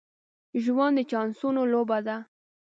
ژوند د چانسونو لوبه ده.